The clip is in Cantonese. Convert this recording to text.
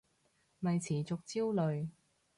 咪持續焦慮